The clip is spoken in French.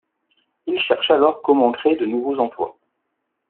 Il cherche alors comment créer de nouveaux emplois.